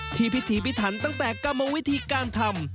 พิธีพิถันตั้งแต่กรรมวิธีการทำ